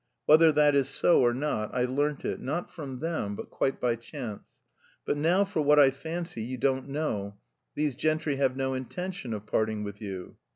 Whether that is so or not, I learnt it, not from them, but quite by chance. But now for what I fancy you don't know; these gentry have no intention of parting with you."